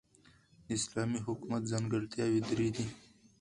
د اسلامی حکومت ځانګړتیاوي درې دي.